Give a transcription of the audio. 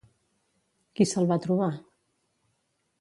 Qui se'l va trobar?